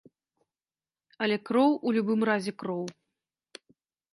Але кроў у любым разе кроў.